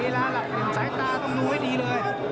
หลีระหลับเป็นสายตาต้องดูไว้ดีเลย